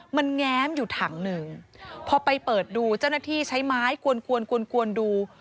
มันแง้มอยู่ถังหนึ่งพอไปเปิดดูเจ้าหน้าที่ใช้ไม้กวนกวนกวนดู